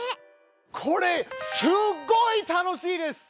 これすっごい楽しいです！